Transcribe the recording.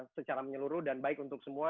secara menyeluruh dan baik untuk semua